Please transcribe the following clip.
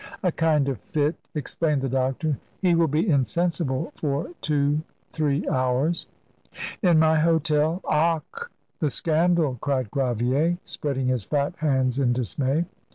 "A kind of fit," explained the doctor; "he will be insensible for two three hours." "In my hotel? Ach! the scandal!" cried Gravier, spreading his fat hands in dismay.